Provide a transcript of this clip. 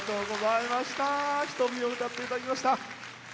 「瞳」を歌っていただきました。